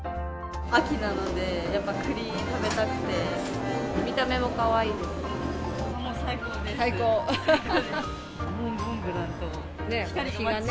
秋なので、やっぱ栗食べたくて、見た目もかわいいし、もう最高です。